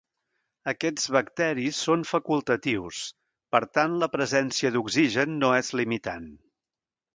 Aquests bacteris són facultatius, per tant la presència d'oxigen no és limitant.